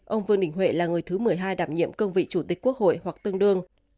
ông vương đình huệ là người thứ một mươi hai đảm nhiệm cương vị chủ tịch quốc hội hoặc tương đương